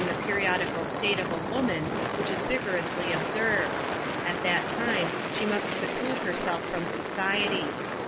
123 periodical state of a woman, which is rigorously observed; at that tim^ she must seclude herself from society.